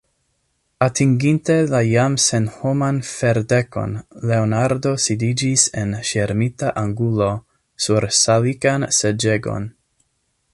Atinginte la jam senhoman ferdekon, Leonardo sidiĝis en ŝirmita angulo sur salikan seĝegon.